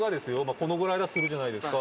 この位だとするじゃないですか。